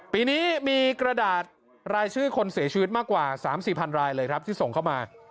ปีนี้มีกระดาษรายชื่อคนเสียชีวิตมากกว่า๓๔พันรายเลยครับที่ส่งเข้ามา